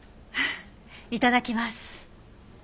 いただきます。